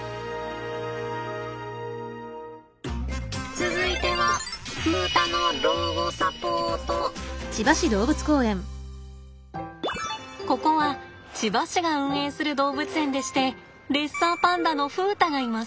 続いてはここは千葉市が運営する動物園でしてレッサーパンダの風太がいます。